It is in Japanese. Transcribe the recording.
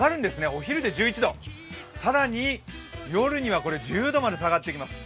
お昼で１１度、更に夜には１０度まで下がってきます。